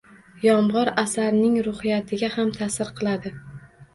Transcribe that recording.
Yomg‘ir asarning ruhiyatiga ham ta’sir qiladi